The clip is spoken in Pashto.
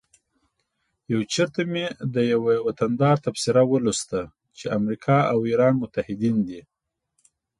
یو چیرته مې د یوه وطندار تبصره ولوسته چې امریکا او ایران متعهدین دي